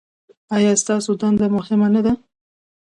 ایا ستاسو دنده مهمه نه ده؟